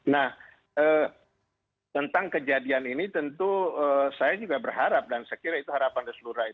nah tentang kejadian ini tentu saya juga berharap dan saya kira itu harapan dari seluruh rakyat indonesia